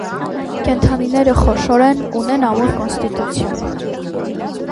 Կենդանիները խոշոր են, ունեն ամուր կոնստիտուցիա։